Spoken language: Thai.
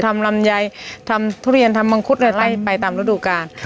ลำไยทำทุเรียนทำมังคุดอะไรไล่ไปตามฤดูกาล